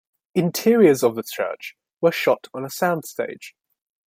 Interiors of the church were shot on a soundstage.